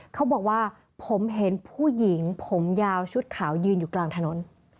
เขาบอกว่าผมเห็นผู้หญิงผมยาวชุดขาวยืนอยู่กลางถนน